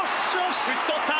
打ち取った。